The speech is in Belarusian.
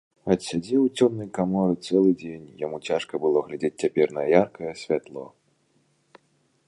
Адсядзеў у цёмнай каморы цэлы дзень, яму цяжка было глядзець цяпер на яркае святло.